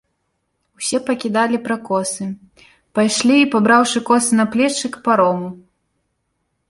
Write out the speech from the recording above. Усе пакідалі пракосы, пайшлі, пабраўшы косы на плечы, к парому.